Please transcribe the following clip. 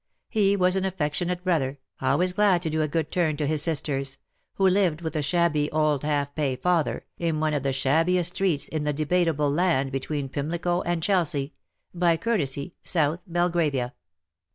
He was an affectionate brother, always glad to do a good turn to his sisters — who lived with a shabby old half pay father, in one of the shabbiest streets in the debatable land between Pimlico and Chelsea — by courtesy. South Belgravia.